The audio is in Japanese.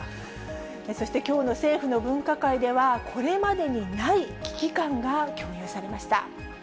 そして、きょうの政府の分科会では、これまでにない危機感が共有